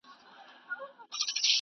چي هر خر وي لوړ تر بامه رسېدلی